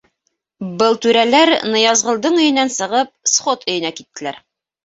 Был түрәләр, Ныязғолдоң өйөнән сығып, сход өйөнә киттеләр.